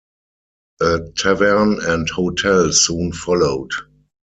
A tavern and hotel soon followed.